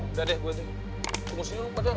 udah deh gue tuh